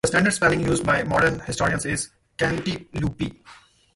The standard spelling used by modern historians is "Cantilupe".